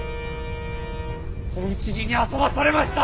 お討ち死にあそばされました。